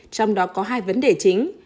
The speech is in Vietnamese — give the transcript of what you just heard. trong đó có hai vấn đề chính